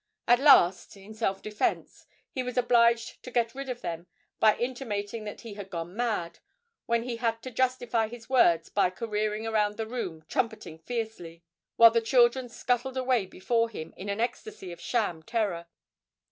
At last, in self defence, he was obliged to get rid of them by intimating that he had gone mad, when he had to justify his words by careering round the room trumpeting fiercely, while the children scuttled away before him in an ecstasy of sham terror.